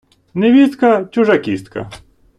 невістка – чужа кістка